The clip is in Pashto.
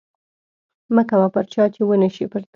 مه کوه پر چا چې ونشي پر تا